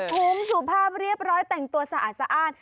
สูบพุ้งสูบภาพเรียบร้อยแต่งตัวสะอาดสะอาด